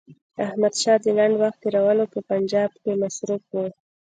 احمدشاه د لنډ وخت تېرولو په پنجاب کې مصروف وو.